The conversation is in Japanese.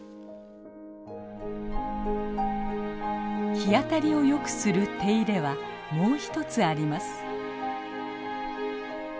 日当たりをよくする手入れはもう一つあります。